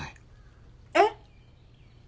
えっ？